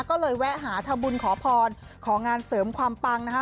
ก็เลยแวะหาทำบุญขอพรของานเสริมความปังนะคะ